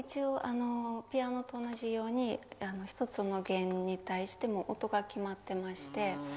ピアノと同じように１つの弦に対して音が決まってまして。